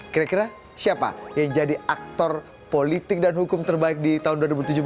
kira kira siapa yang jadi aktor politik dan hukum terbaik di tahun dua ribu tujuh belas